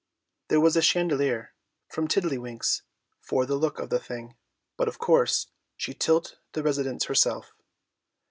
There was a chandelier from Tiddlywinks for the look of the thing, but of course she lit the residence herself.